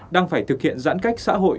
đang phải thực hiện giãn cách xã hội